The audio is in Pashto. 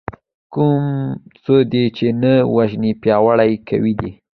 کوم څه دې چې نه وژنې پياوړي کوي دی .